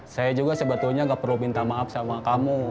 saya juga sebetulnya gak perlu minta maaf sama kamu